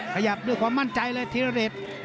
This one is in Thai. ขยับด้วยความมั่นใจเลยธีรเดช